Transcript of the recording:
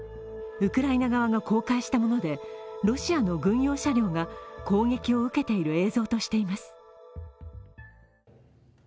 ウクライナ側が公開したものでロシアの軍用車両が攻撃を受けている映像としています。